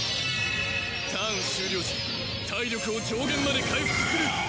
ターン終了時体力を上限まで回復する。